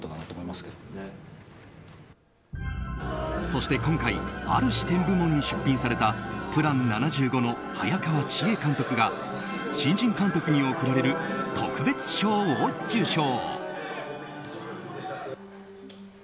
そして、今回ある視点部門に出品された「ＰＬＡＮ７５」の早川千絵監督が新人監督に贈られる特別賞を受賞。